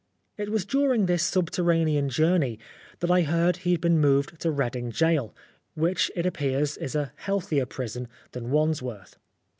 It was during this subterranean journey that I heard he had been moved to Read ing Gaol, which, it appears, is a healthier prison than Wandsworth.